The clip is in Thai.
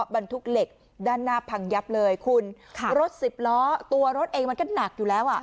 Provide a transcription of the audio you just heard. บรรทุกเหล็กด้านหน้าพังยับเลยคุณค่ะรถสิบล้อตัวรถเองมันก็หนักอยู่แล้วอ่ะ